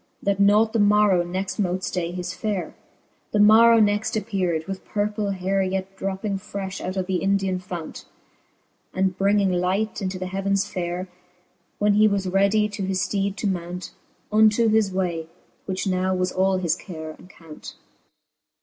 That nought the morrow next mote flay his fare. The morrow next appear'd, with purple hayre Yet dropping frefh out of the hidian fount, And bringing light into the heavens fayre. When he was readie to his fteede to mount, Unto his way, which now was all his care and count.